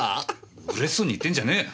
うれしそうに言ってんじゃねえよ！